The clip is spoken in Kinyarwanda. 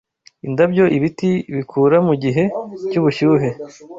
indabyo ibiti bikura mugihe cy'ubushyuhe